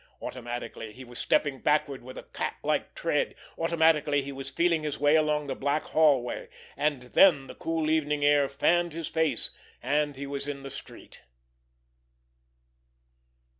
Automatically he was stepping backward with a catlike tread; automatically he was feeling his way along the black hallway. And then the cool evening air fanned his face, and he was in the street.